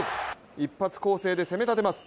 一発攻勢で攻め立てます。